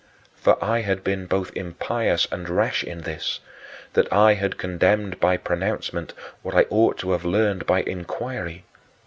For I had been both impious and rash in this, that I had condemned by pronouncement what I ought to have learned by inquiry.